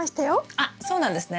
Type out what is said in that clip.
あっそうなんですね。